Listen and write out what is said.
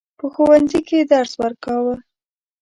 په ښوونځي کې درس ورکاوه.